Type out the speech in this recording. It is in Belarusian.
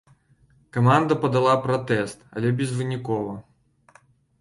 Каманда падала пратэст, але безвынікова.